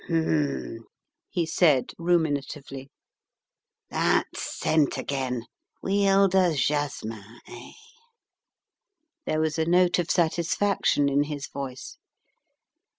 "Humn," he said, ruminatively. "That scent again. Huile de jasmin, eh?" There was a note of satisfaction in his voice.